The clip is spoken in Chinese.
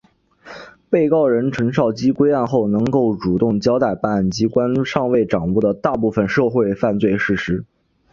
被告人陈绍基归案后能够主动交代办案机关尚未掌握的大部分受贿犯罪事实。